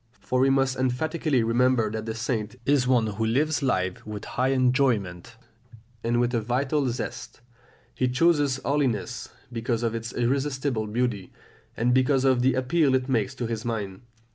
For we must emphatically remember that the saint is one who lives life with high enjoyment, and with a vital zest; he chooses holiness because of its irresistible beauty, and because of the appeal it makes to his mind.